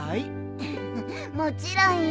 ウフフもちろんよ。